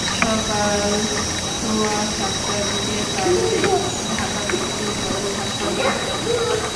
সকাল সোয়া সাতটার দিকে তাঁদের ঢাকা মেডিকেল কলেজ হাসপাতালে নেওয়া হয়।